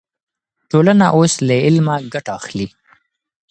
ټولنه اوس له علمه ګټه اخلي.